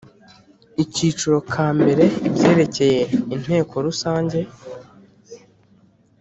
Akiciro ka mbere Ibyerekeye Inteko Rusange